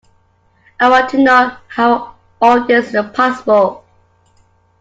I want to know how all this is possible.